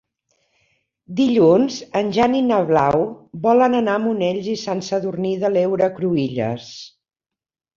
Dilluns en Jan i na Blau volen anar a Monells i Sant Sadurní de l'Heura Cruïlles.